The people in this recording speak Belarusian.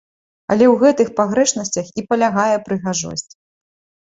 Але ў гэтых пагрэшнасцях і палягае прыгажосць.